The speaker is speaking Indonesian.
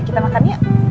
ya kita makan yuk